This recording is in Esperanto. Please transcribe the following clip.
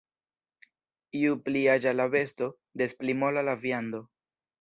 Ju pli aĝa la besto, des pli mola la viando.